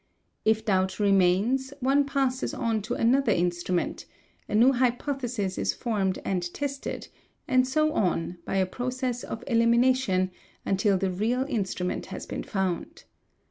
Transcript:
If doubt remains, one passes on to 'another instrument, a new hypothesis is formed and tested ; and so on by a process of elimination until the real instrument has been found.